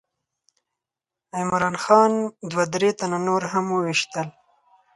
عمرا خان دوه درې تنه نور هم وویشتل.